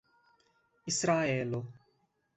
israelo